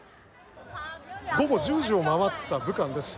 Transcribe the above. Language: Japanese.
午後１０時を回った武官です。